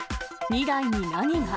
２台に何が？